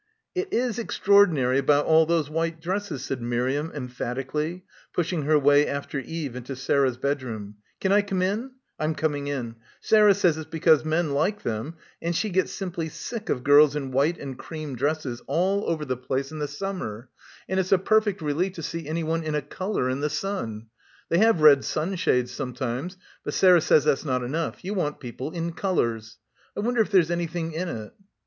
"It is extraordinary about all those white dresses," said Miriam emphatically, pushing her way after Eve into Sarah's bedroom. "Can I come in? I'm coming in. Sarah says it's because men like them and she gets simply sick of girls — 209 — PILGRIMAGE in white and cream dresses all over the place in the summer, and it's a perfect relief to see anyone in a colour in the sun. They have red sunshades sometimes, but Sarah says that's not enough; you want people in colours. I wonder if there's any thing in it?"